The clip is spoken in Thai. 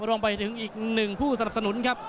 รวมไปถึงอีกหนึ่งผู้สนับสนุนครับ